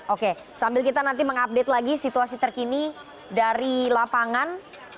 oke sambil kita nanti mengupdate lagi situasi terkini dari lapangan